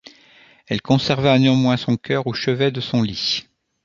Elle conserva néanmoins son cœur au chevet de son lit.